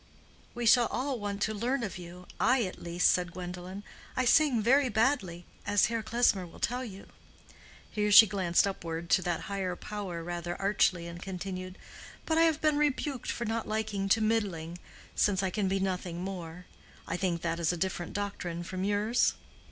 "We shall all want to learn of you—I, at least," said Gwendolen. "I sing very badly, as Herr Klesmer will tell you,"—here she glanced upward to that higher power rather archly, and continued—"but I have been rebuked for not liking to be middling, since I can be nothing more. I think that is a different doctrine from yours?"